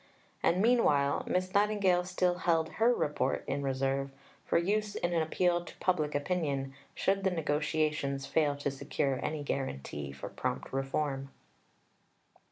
And meanwhile Miss Nightingale still held her Report in reserve, for use in an appeal to public opinion, should the negotiations fail to secure any guarantee for prompt reform.